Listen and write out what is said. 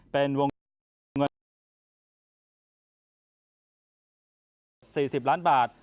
เป็นวงเงินประมาณ๕๐ล้านบาทปี๔๐ล้านบาท